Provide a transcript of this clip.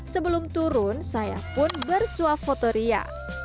sebelum turun saya pun bersuap fotoria